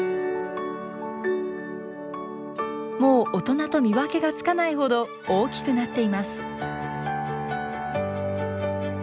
もう大人と見分けがつかないほど大きくなっています。